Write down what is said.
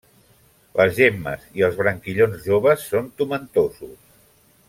Les gemmes i els branquillons joves són tomentosos.